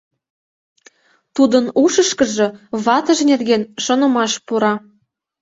Тудын ушышкыжо ватыж нерген шонымаш пура.